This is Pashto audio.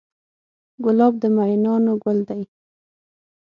ګلاب د مینانو ګل دی.